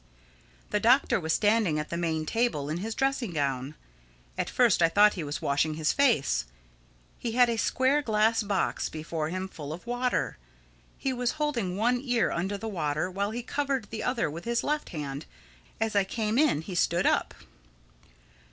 The Doctor was standing at the main table in his dressing gown. At first I thought he was washing his face. He had a square glass box before him full of water. He was holding one ear under the water while he covered the other with his left hand. As I came in he stood up.